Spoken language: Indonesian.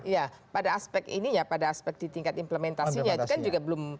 ya pada aspek ini ya pada aspek di tingkat implementasinya itu kan juga belum